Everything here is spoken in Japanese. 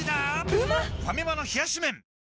ファミマの冷し麺